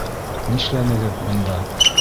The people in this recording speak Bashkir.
Нишләнегеҙ бында?